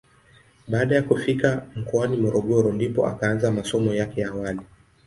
Baada ya kufika mkoani Morogoro ndipo akaanza masomo yake ya awali.